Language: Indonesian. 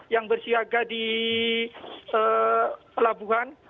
yang bersiaga di pelabuhan